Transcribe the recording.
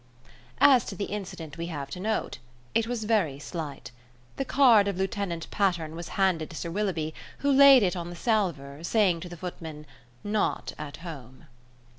As to the incident we have to note, it was very slight. The card of Lieutenant Patterne was handed to Sir Willoughby, who laid it on the salver, saying to the footman, "Not at home."